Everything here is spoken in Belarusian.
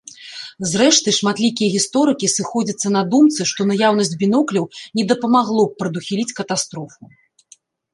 Зрэшты, шматлікія гісторыкі сыходзяцца на думцы, што наяўнасць бінокляў не дапамагло б прадухіліць катастрофу.